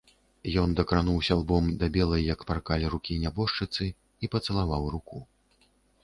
Ён дакрануўся лбом да белай, як паркаль, рукі нябожчыцы і пацалаваў руку.